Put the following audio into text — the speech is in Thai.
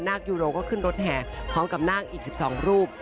คยูโรก็ขึ้นรถแห่พร้อมกับนาคอีก๑๒รูป